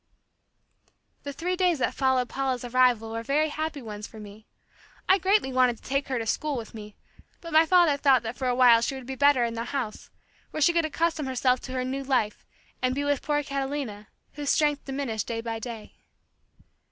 The three days that followed Paula's arrival were very happy ones for me. I greatly wanted to take her to school with me, but my father thought that for a while she would be better in the house, where she could accustom herself to her new life and be with poor Catalina whose strength diminished day by day.